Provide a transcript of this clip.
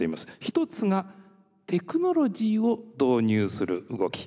一つがテクノロジーを導入する動き。